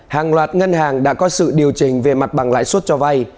hàng loạt ngân hàng đã có sự điều chỉnh về mặt bằng lãi suất cho vay